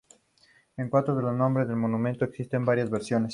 En cuanto al nombre del monumento existen varias versiones.